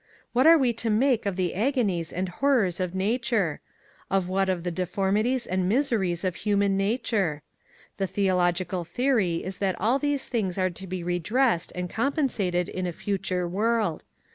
What are we to make of the agonies and horrors of nature ? or what of the deformities and miseries of human nature ? The theological theory is that all these things are to be redressed and com pensated in a future world.